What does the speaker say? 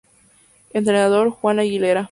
Entrenador: Juan Aguilera